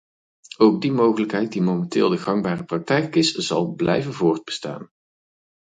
Ook die mogelijkheid, die momenteel de gangbare praktijk is, zal blijven voortbestaan.